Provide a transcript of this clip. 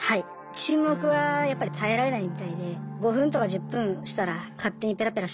沈黙はやっぱり耐えられないみたいで５分とか１０分したら勝手にペラペラしゃべり出しますね。